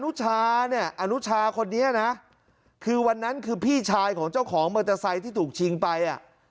นุชาเนี่ยอนุชาคนนี้นะคือวันนั้นคือพี่ชายของเจ้าของมอเตอร์ไซค์ที่ถูกชิงไปอ่ะ